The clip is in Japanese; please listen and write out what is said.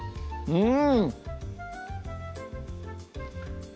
うん